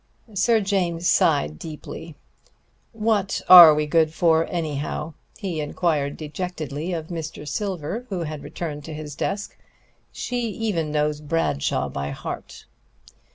Sir James sighed deeply. "What are we good for, anyhow?" he inquired dejectedly of Mr. Silver, who had returned to his desk. "She even knows Bradshaw by heart."